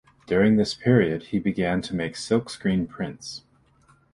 During this period he began to make silkscreen prints.